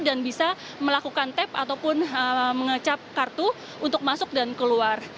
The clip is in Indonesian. dan bisa melakukan tap ataupun mengecap kartu untuk masuk dan keluar